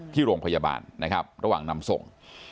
ที่โรงพยาบาลนะครับระหว่างนำส่ง